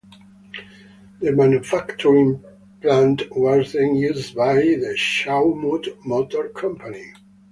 The manufacturing plant was then used by the Shawmut Motor Company.